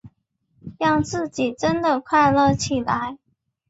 让自己真的快乐起来